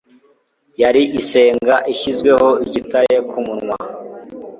Yari isenga ishyizweho igitare ku munwa.